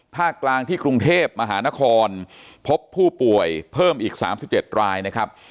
กลางที่กรุงเทพมหานครพบผู้ป่วยเพิ่มอีก๓๗รายนะครับ